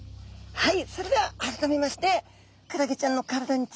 はい。